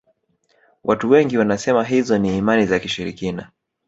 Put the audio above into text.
watu wengi wanasema hizo ni imani za kishirikina